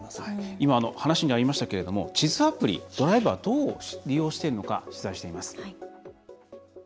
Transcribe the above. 今、話にありましたけど地図アプリ、ドライバーはどう利用しているのか取材しています。